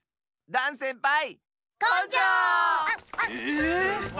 ダンせんぱい！